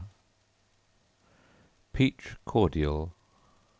Peach Cordial.